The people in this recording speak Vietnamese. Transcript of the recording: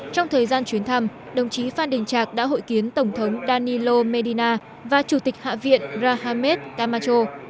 trong thời gian chuyến thăm đồng chí phan đình trạc đã hội kiến tổng thống danilo medina và chủ tịch hạ viện rahamed tamacho